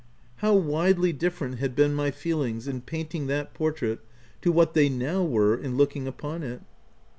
How widely different had been my feelings in painting that portrait to what they now were in looking upon it